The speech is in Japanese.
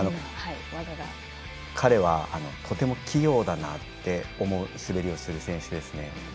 彼は、とても器用だなって思う滑りをする選手ですね。